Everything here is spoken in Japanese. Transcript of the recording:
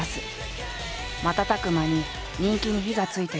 瞬く間に人気に火がついていく。